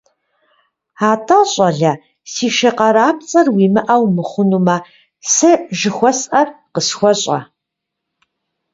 АтӀэ, щӀалэ, си шы къарапцӀэр уимыӀэу мыхъунумэ, сэ жыхуэсӀэр къысхуэщӀэ.